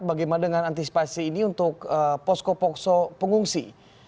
bagaimana dengan antisipasi ini untuk posko posko pengungsi